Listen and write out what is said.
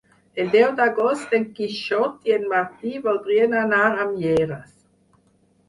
El deu d'agost en Quixot i en Martí voldrien anar a Mieres.